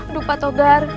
aduh pak togar